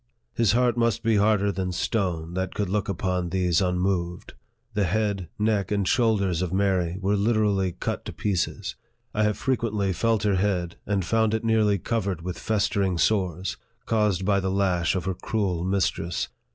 His heart must be harder than stone, that could look upon these unmoved. The head, neck, and shoulders of Mary were literally cut to pieces. I have frequently felt her head, and found it nearly covered with festering sores, caused by the lash of her cruel mistress.